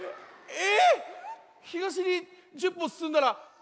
え。